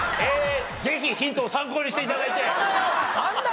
ぜひヒントを参考にして頂いて。